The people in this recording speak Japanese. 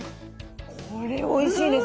これおいしいね